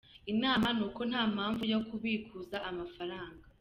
Inama ni uko nta mpamvu yo kubikuza amafaranga.